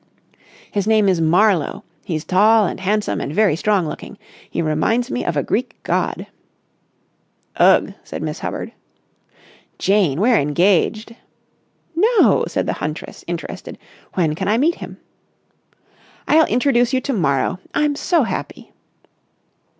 "His name is Marlowe. He's tall and handsome and very strong looking. He reminds me of a Greek god." "Ugh!" said Miss Hubbard. "Jane, we're engaged." "No!" said the huntress, interested. "When can I meet him?" "I'll introduce you to morrow I'm so happy."